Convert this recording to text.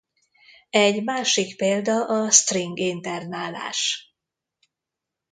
Egy másik példa a string internálás.